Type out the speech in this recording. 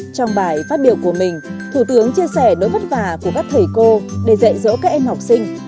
trong bài phát biểu của mình thủ tướng chia sẻ nỗi vất vả của các thầy cô để dạy dỗ các em học sinh